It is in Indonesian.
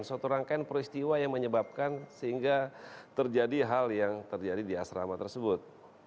suatu rangkaian peristiwa yang menyebabkan sehingga terjadi hal yang terjadi di asrama tersebut